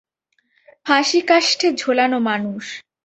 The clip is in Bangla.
ফাঁসিকাষ্ঠে ঝোলানো মানুষ।